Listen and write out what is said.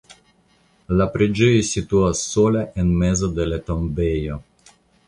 La preĝejo situas sola en mezo de la tombejo.